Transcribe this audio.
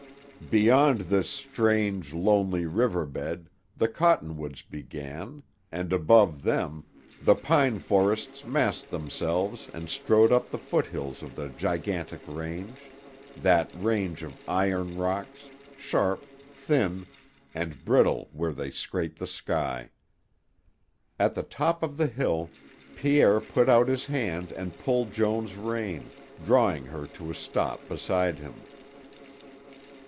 Beyond this strange, lonely river bed, the cottonwoods began, and, above them, the pine forests massed themselves and strode up the foothills of the gigantic range, that range of iron rocks, sharp, thin, and brittle where they scraped the sky. At the top of the hill, Pierre put out his hand and pulled Joan's rein, drawing her to a stop beside him.